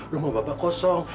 rumah bapak kosong